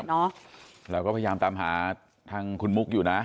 เราก็พยายามตามหาทางคุณมุกอยู่นะ